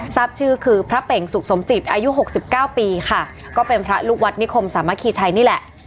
ทราบชื่อคือพระเป่งสุขสมจิตอายุหกสิบเก้าปีค่ะก็เป็นพระลูกวัดนิคมสามัคคีชัยนี่แหละ